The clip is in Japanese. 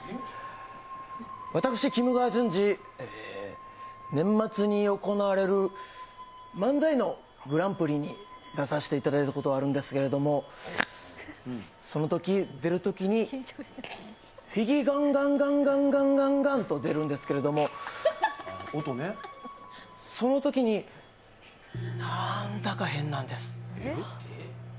私、きむ川淳二、年末に行われる漫才のグランプリに出させていただいたことがあるんですけど、そのとき、出るときに、フィギガンガンガンガンと出るんですけどもそのときに、なんだか変なんです。